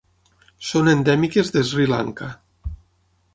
Són endèmiques de Sri Lanka.